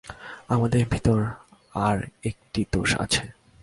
আমাদের ভিতর আর একটি দোষ আছে।